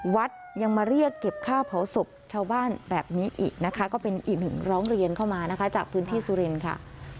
วัดยังมาเรียกเก็บค่าเผาศพชาวบ้านแบบนี้อีกนะคะก็เป็นอีกหนึ่งร้องเรียนเข้ามานะคะจากพื้นที่สุรินทร์ค่ะ